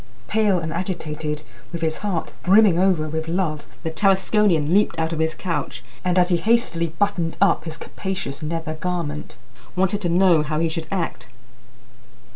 Pale and agitated, with his heart brimming over with love, the Tarasconian leaped out of his couch, and, as he hastily buttoned up his capacious nether garment, wanted to know how he should act.